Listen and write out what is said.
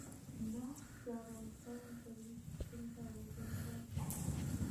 نفت د افغانستان د طبعي سیسټم توازن ساتي.